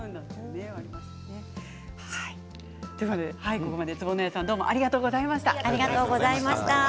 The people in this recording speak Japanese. ここまで坪野谷さんありがとうございました。